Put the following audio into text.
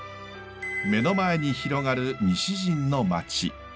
目の前に広がる西陣の町。